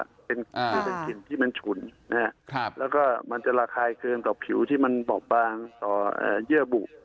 คือเป็นกลิ่นที่มันฉุนแล้วก็มันจะระคายเกินต่อผิวที่มันบอบบางต่อเยื่อบุ